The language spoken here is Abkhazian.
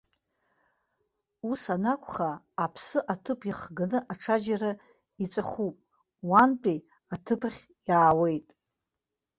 Ус анакәха, аԥсы аҭыԥ иахганы аҽаџьара иҵәахуп, уантәи аҭыԥахь иаауеит.